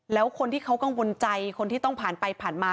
แล้วคนที่เขากังวลใจคนที่ต้องผ่านไปผ่านมา